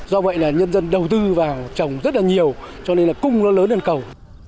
do vậy là nhân dân đầu tư vào trồng rất là nhiều cho nên là cung nó lớn hơn cầu